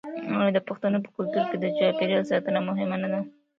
آیا د پښتنو په کلتور کې د چاپیریال ساتنه مهمه نه ده؟